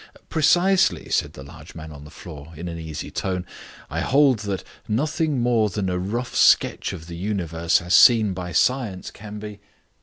"Precisely," said the large man on the floor in an easy tone. "I hold that nothing more than a rough sketch of the universe as seen by science can be..."